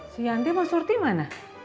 si yanti mau surti mana